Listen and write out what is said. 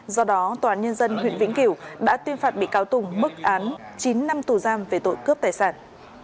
do đó tòa án nhân dân huyện vĩnh kiều đã tuyên phạt bị cáo tùng bức án chín năm tù giam về tội cướp tài sản